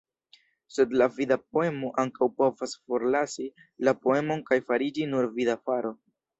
Sed la vida poemo ankaŭ povas forlasi la poemon kaj fariĝi nur vida faro.